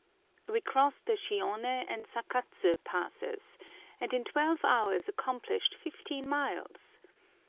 We crossed the Shione and Sakatsu passes, and in twelve hours accomplished fifteen miles!